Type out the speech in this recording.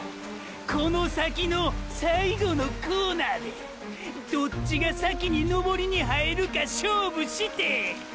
この先のォ最後のコーナーでどっちが先に登りに入るか勝負して！！